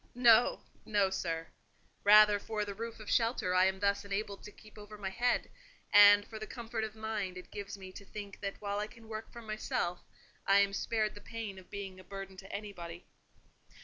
"No—no, sir. Rather for the roof of shelter I am thus enabled to keep over my head; and for the comfort of mind it gives me to think that while I can work for myself, I am spared the pain of being a burden to anybody."